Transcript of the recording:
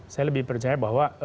saya lebih percaya bahwa